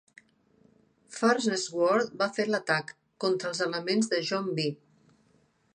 Farnsworth va fer l'atac, contra els elements de John B.